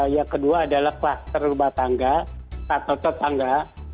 yang kedua adalah kluster rumah tangga atau tetangga